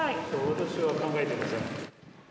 私は考えていません。